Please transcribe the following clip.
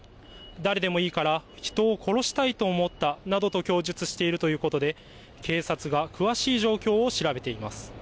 誰でもいいから人を殺したいと思ったなどと供述しているということで、警察が詳しい状況を調べています。